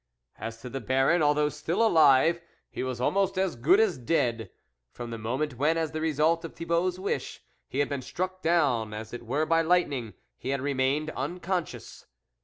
As to the Baron, although still alive, he was almost as good as dead.^ _ From the moment when, as the result of Thi bault's wish, he had been struck down as it were by lightning, he had remained un conscious.